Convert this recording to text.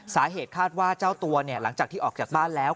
สาเหตุคาดว่าเจ้าตัวหลังจากที่ออกจากบ้านแล้ว